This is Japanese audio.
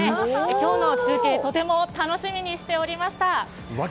今日の中継とても楽しみにしておりました。